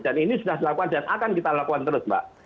dan ini sudah dilakukan dan akan kita lakukan terus mbak